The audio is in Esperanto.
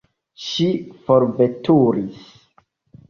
Ŝi forveturis.